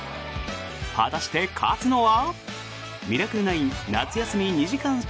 果たして、勝つのは？